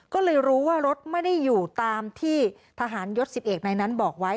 ก็เลยรู้ว่ารถไม่ได้อยู่ตามที่ทหารยศ๑๑ในนั้นบอกไว้